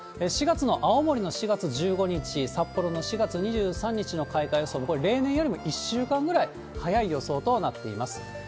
４月の青森の４月１５日、札幌の４月２３日の開花予想も、これ、例年よりも１週間ぐらい早い予想となっています。